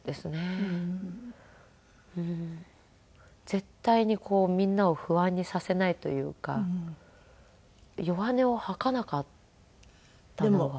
絶対にみんなを不安にさせないというか弱音を吐かなかったのは。